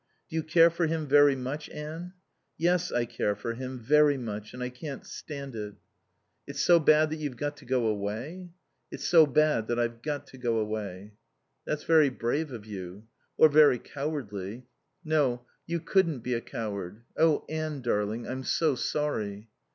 Do you care for him very much, Anne?" "Yes, I care for him, very much. And I can't stand it." "It's so bad that you've got to go away?" "It's so bad that I've got to go away." "That's very brave of you." "Or very cowardly." "No. You couldn't be a coward.... Oh, Anne darling, I'm so sorry."